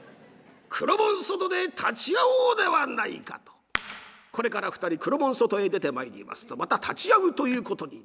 黒門外で立ち合おうではないか」とこれから２人黒門外へ出てまいりますとまた立ち合うということになる。